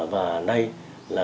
và đây là